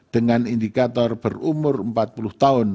dengan indikator berumur empat puluh tahun